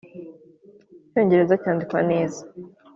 Icyongereza cyandikwa neza.